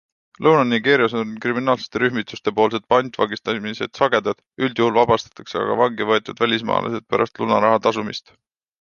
Lõuna-Nigeerias on kriminaalsete rühmituste poolsed pantvangistamised sagedad, üldjuhul vabastatakse aga vangi võetud välismaalased pärast lunaraha tasumist.